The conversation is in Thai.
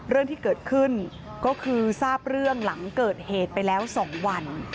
เรื่องที่เกิดขึ้นก็คือทราบเรื่องหลังเกิดเหตุไปแล้ว๒วัน